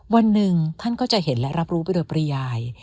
วันหนึ่งท่านก็จะเห็นและรับรู้ไปโดยปริยาย